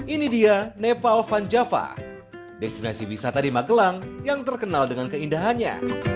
ini dia nepal van java destinasi wisata di magelang yang terkenal dengan keindahannya